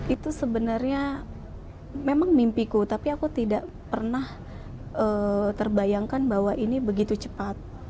itu sebenarnya memang mimpiku tapi aku tidak pernah terbayangkan bahwa ini begitu cepat